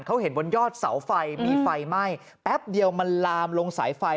เขาเห็นบนยอดเสาไฟมีไฟไหม้แป๊บเดียวมันลามลงสายไฟ